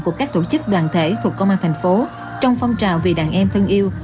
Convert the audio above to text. của các tổ chức đoàn thể thuộc công an thành phố trong phong trào vì đàn em thân yêu